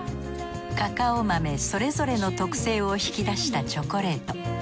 カカオ豆それぞれの特性を引き出したチョコレート。